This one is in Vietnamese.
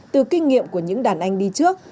từ kinh nghiệm của những đàn anh đi trước